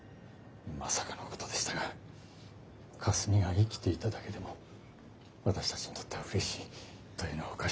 まさかのことでしたがかすみが生きていただけでも私たちにとってはうれしいというのはおかしいですが。